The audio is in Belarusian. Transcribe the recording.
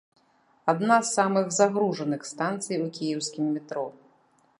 Адна з самых загружаных станцый у кіеўскім метро.